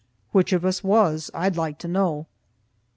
Which of us was? I'd like to know.